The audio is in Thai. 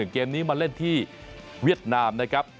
เกมนี้มาเล่นที่เวียดนามนะครับ